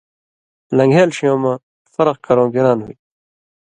لن٘گھېل ݜېوں مہ فرق کرؤں گِران ہُوئ تُھو،